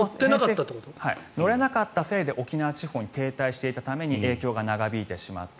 乗れなかったせいで沖縄地方に停滞していたために影響が長引いてしまった。